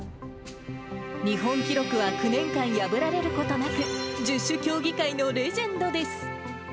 日本記録は９年間破られることなく、十種競技会のレジェンドです。